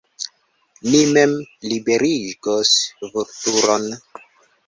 Ni mem liberigos Vulturon!